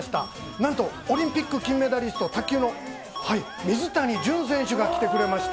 なんとオリンピック金メダリスト、卓球の水谷隼選手が来てくれました。